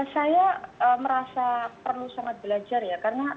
saya merasa perlu sangat belajar ya